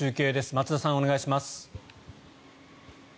松田さん、お願いします。